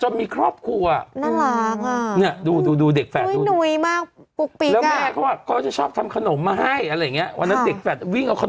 พี่มัดดำบอกว่าไม่ได้เรียกอย่างอื่นน่ะลูก